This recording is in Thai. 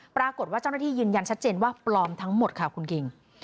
ปรากฏว่าเจ้าหน้าที่ยืนยันชัดเจนว่าปลอมทั้งหมดค่ะคุณคิง